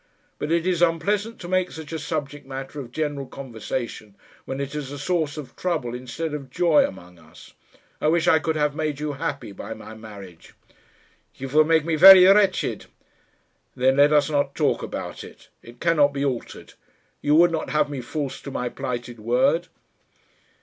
But it is unpleasant to make such a subject matter of general conversation when it is a source of trouble instead of joy among us. I wish I could have made you happy by my marriage." "You will make me very wretched." "Then let us not talk about it. It cannot be altered. You would not have me false to my plighted word?"